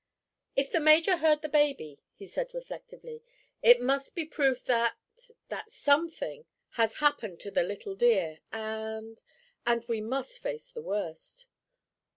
"If the major heard the baby," he said reflectively, "it must be proof that—that something—has happened to the little dear, and—and we must face the worst."